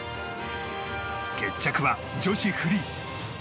決着は女子フリー。